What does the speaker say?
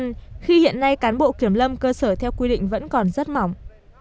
nhưng khi hiện nay cán bộ kiểm lâm cơ sở theo quy định vẫn còn rất mỏng